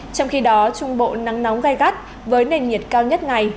trong khi đó trung bộ nắng nóng gai gắt với nền nhiệt cao nhất ngày